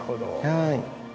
はい。